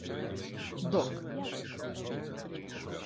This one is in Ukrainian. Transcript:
док.